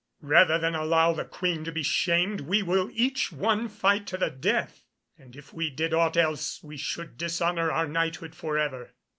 Rather than allow the Queen to be shamed we will each one fight to the death, and if we did aught else we should dishonour our knighthood for ever."